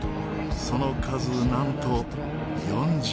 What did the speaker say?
その数なんと４０。